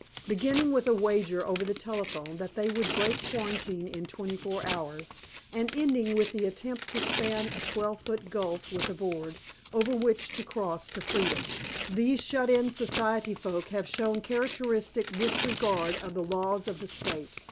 Beginning with a wager over the telephone that they would break quarantine in twenty four hours, and ending with the attempt to span a twelve foot gulf with a board, over which to cross to freedom, these shut in society folk have shown characteristic disregard of the laws of the state.